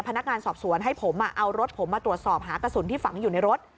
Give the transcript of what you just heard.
พนักงานสอบสวนให้ผมเอารถผมมาตรวจสอบหากระสุนที่ฝังอยู่ในรถ